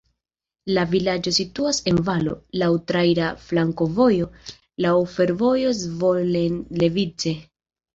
La vilaĝo situas en valo, laŭ traira flankovojo, laŭ fervojo Zvolen-Levice.